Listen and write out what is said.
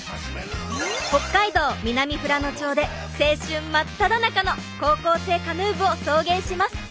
北海道南富良野町で青春まっただ中の高校生カヌー部を送迎します！